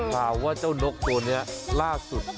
ข่าวว่าเจ้านกตัวนี้ล่าสุด